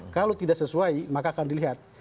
kalau tidak sesuai maka akan dilihat